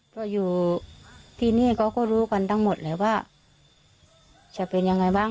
ก็อยู่ที่นี่เขาก็รู้กันทั้งหมดเลยว่าจะเป็นยังไงบ้าง